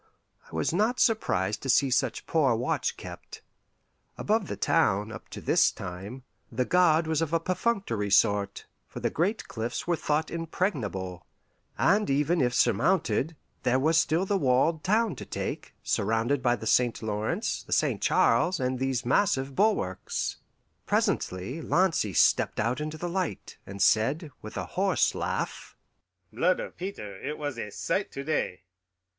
I was not surprised to see such poor watch kept. Above the town, up to this time, the guard was of a perfunctory sort, for the great cliffs were thought impregnable; and even if surmounted, there was still the walled town to take, surrounded by the St. Lawrence, the St. Charles, and these massive bulwarks. Presently Lancy stepped out into the light, and said, with a hoarse laugh, "Blood of Peter, it was a sight to day!